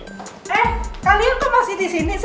eh kalian tuh masih disini sih